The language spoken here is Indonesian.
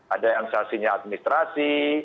ada yang sasihnya administrasi